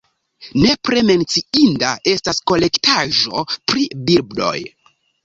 Nepre menciinda estas kolektaĵo pri birdoj.